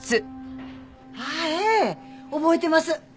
ああええ覚えてます。